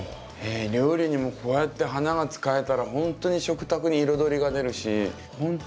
料理にもこうやって花が使えたらほんとに食卓に彩りが出るしほんと